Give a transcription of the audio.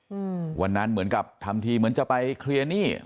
อืมวันนั้นเหมือนกับทำทีเหมือนจะไปเคลียร์หนี้